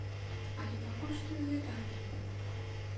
Але пакуль што і гэтага няма.